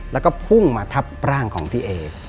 แล้วก็พุ่งมาทับร่างของพี่เอ